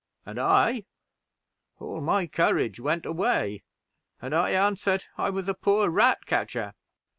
and I all my courage went away, and I answered, I was a poor rat catcher.